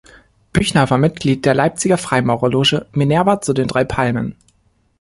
Büchner war Mitglied der Leipziger Freimaurerloge "Minerva zu den drei Palmen".